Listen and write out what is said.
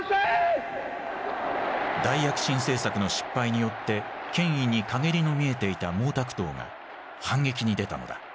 大躍進政策の失敗によって権威に陰りの見えていた毛沢東が反撃に出たのだ。